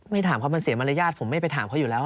ถามเขามันเสียมารยาทผมไม่ไปถามเขาอยู่แล้ว